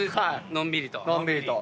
のんびりと。